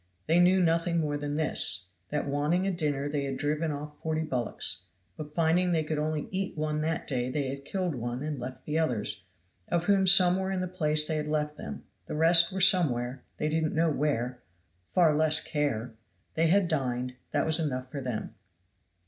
They knew nothing more than this, that wanting a dinner they had driven off forty bullocks; but finding they could only eat one that day they had killed one and left the others, of whom some were in the place they had left them; the rest were somewhere, they didn't know where far less care. They had dined, that was enough for them.